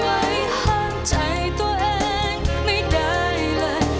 ไว้ห้ามใจตัวเองไม่ได้เลย